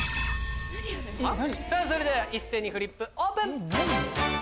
それでは一斉にフリップオープン！